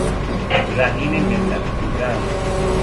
رهین منت بودن